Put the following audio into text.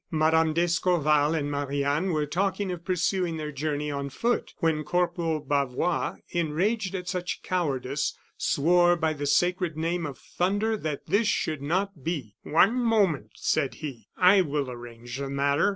Mme. d'Escorval and Marie Anne were talking of pursuing their journey on foot, when Corporal Bavois, enraged at such cowardice, swore by the sacred name of thunder that this should not be. "One moment!" said he. "I will arrange the matter."